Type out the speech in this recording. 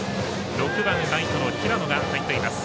６番ライトの平野が入っています。